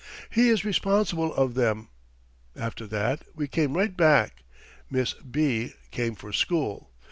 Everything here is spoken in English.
He is responsible of them. After that we came right back. Miss B. came for school.